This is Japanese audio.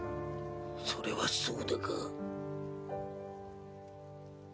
それはそうだが。